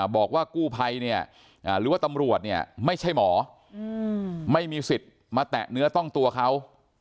บอกว่ากู้ภัยเนี่ยหรือว่าตำรวจเนี่ยไม่ใช่หมอไม่มีสิทธิ์มาแตะเนื้อต้องตัวเขา